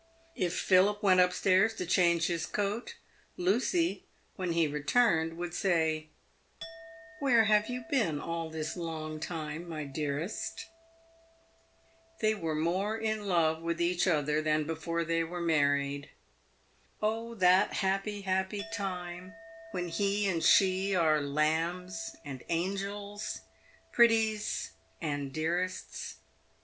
If Philip went up stairs to change his coat, Lucy, when he returned, would say, " Where have you been all this long time, my dearest ?" They were more in love with each other than before they were married. Oh, that happy, happy time, when he and she are "lambs" and "angels," "pretties" and "dearests!"